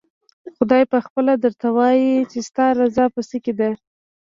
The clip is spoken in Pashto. خدای پخپله درته ووايي چې ستا رضا په څه کې ده؟